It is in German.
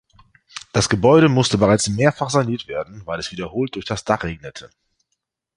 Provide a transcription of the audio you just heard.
Das Gebäude musste bereits mehrfach saniert werden, weil es wiederholt durch das Dach regnete.